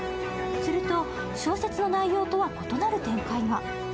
すると、小説の内容とは異なる展開が。